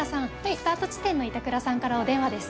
スタート地点の板倉さんからお電話です。